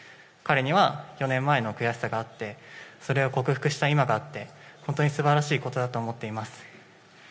彼には４年前の悔しさがあってそれを克服した今があって本当に素晴らしいことだと思っています。